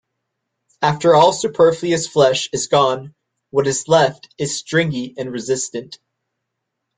After all superfluous flesh is gone what is left is stringy and resistant.